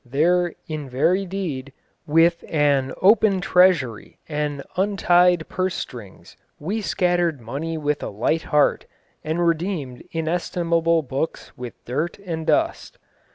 There, in very deed, with an open treasury and untied purse strings, we scattered money with a light heart, and redeemed inestimable books with dirt and dust."